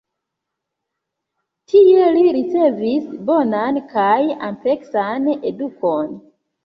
Tie li ricevis bonan kaj ampleksan edukon.